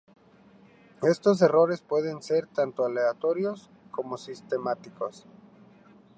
Estos errores pueden ser tanto aleatorios como sistemáticos.